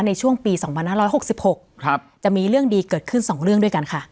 ในช่วงปีสองพันห้าร้อยหกสิบหกครับจะมีเรื่องดีเกิดขึ้นสองเรื่องด้วยกันค่ะ